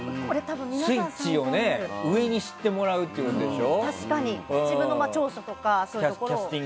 スイッチを上に知ってもらうということでしょ。